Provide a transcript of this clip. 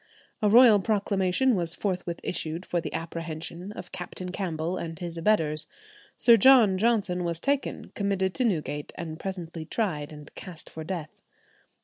A royal proclamation was forthwith issued for the apprehension of Captain Campbell and his abettors. Sir John Johnson was taken, committed to Newgate, and presently tried and cast for death.